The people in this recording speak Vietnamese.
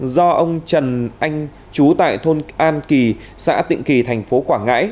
do ông trần anh chú tại thôn an kỳ xã tịnh kỳ tp quảng ngãi